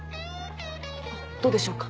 どうでしょうか？